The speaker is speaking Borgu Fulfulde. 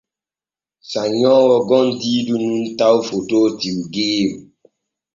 Sannyoowo gom diidu nun taw fotoo tiwggeeru.